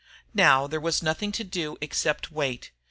Now there was little to do except wait.